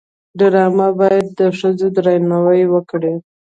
ډرامه باید د ښځو درناوی وکړي